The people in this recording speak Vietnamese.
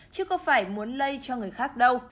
chứ không phải muốn lây cho người khác đâu